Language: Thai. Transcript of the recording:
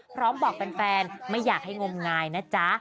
พร้อมบอกแฟนไม่อยากให้งมงายนะจ๊ะ